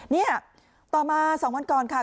นี่ต่อมา๒วันก่อนค่ะ